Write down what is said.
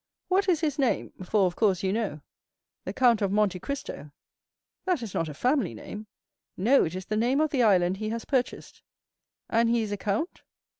"What is his name; for, of course, you know?" "The Count of Monte Cristo." "That is not a family name?" "No, it is the name of the island he has purchased." "And he is a count?"